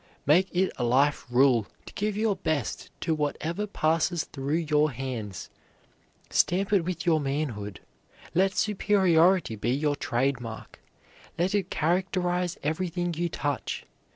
Make it a life rule to give your best to whatever passes through your hands. Stamp it with your manhood. Let superiority be your trade mark, let it characterize everything you touch.